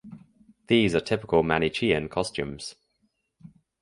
These are typical Manichean costumes.